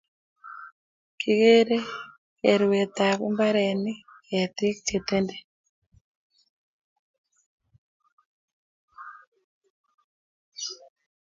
Kigere kerwet ab mbaranni ketik che tenden